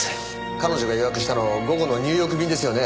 彼女が予約したの午後のニューヨーク便ですよね？